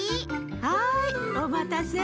はいおまたせ。